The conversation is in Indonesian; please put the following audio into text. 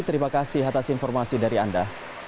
terima kasih atas informasi dari anda